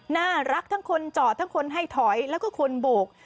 น่ารักทั้งคนจอดทั้งคนให้ถอยแล้วก็คนโบก